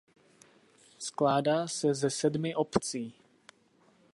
Skládá se ze sedmi obcí.